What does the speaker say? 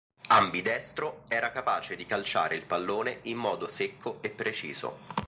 Ambidestro, era capace di calciare il pallone in modo secco e preciso.